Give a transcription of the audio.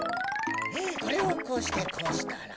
これをこうしてこうしたら。